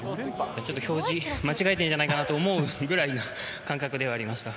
ちょっと表示、間違えてんじゃないかなと思うぐらいの感覚ではありました。